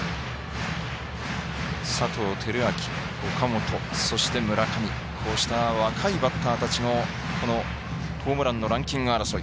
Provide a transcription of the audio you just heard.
佐藤輝明、岡本、そして、村上こうした若いバッターたちのホームランのランキング争い。